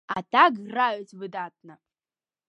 А так граюць выдатна!